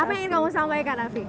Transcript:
apa yang ingin kamu sampaikan nanti